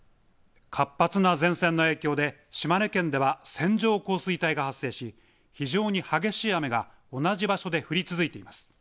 活発な前線の影響で島根県では線状降水帯が発生し非常に激しい雨が同じ場所で降り続いています。